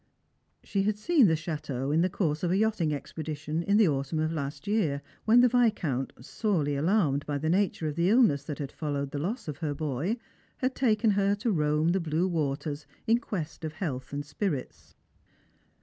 She had seen the chateau in the course of a yachting expedi tion in the autumn of last year, when the Viscount, sorely alarmed by the nature of the illness that had followed the loss of her boy, had taken her to roam the blue waters in quest of health and spirits.